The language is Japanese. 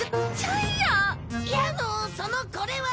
いやそのこれは。